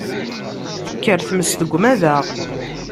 Tekker tmes deg umadaɣ